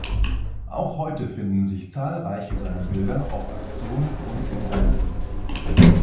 Auch heute finden sich zahlreiche seiner Bilder auf Auktionen und in Galerien.